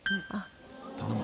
頼む。